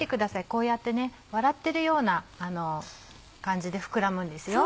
こうやってね笑ってるような感じで膨らむんですよ。